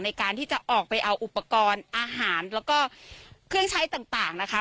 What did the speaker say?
ในการที่จะออกไปเอาอุปกรณ์อาหารแล้วก็เครื่องใช้ต่างนะคะ